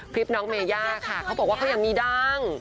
คลิปน้องเมย่าค่ะเขาบอกว่าเขายังมีดัง